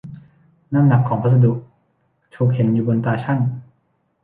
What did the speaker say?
น้ำหนักของพัสดุถูกเห็นอยู่บนตาชั่ง